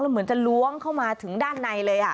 เหมือนจะล้วงเข้ามาถึงด้านในเลย